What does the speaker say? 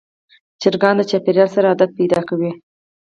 چرګان د چاپېریال سره عادت پیدا کوي.